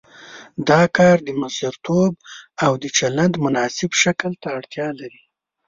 دا کار د مشرتوب او د چلند مناسب شکل ته اړتیا لري.